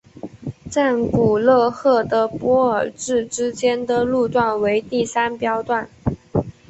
赞古勒赫的波尔至之间的路段为第三标段。